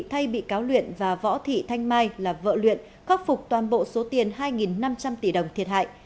thay bị cáo luyện và võ thị thanh mai là vợ luyện khắc phục toàn bộ số tiền hai năm trăm linh tỷ đồng thiệt hại